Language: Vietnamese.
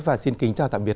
và xin kính chào tạm biệt